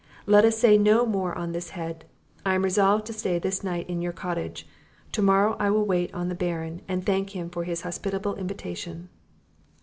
Let us say no more on this head; I am resolved to stay this night in your cottage, tomorrow I will wait on the Baron, and thank him for his hospitable invitation."